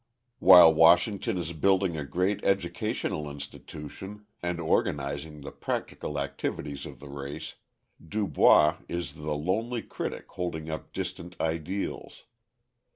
While Washington is building a great educational institution and organising the practical activities of the race, Du Bois is the lonely critic holding up distant ideals.